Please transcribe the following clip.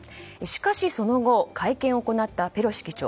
しかしその後会見を行ったペロシ議長。